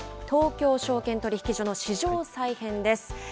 東京証券取引所の市場再編です。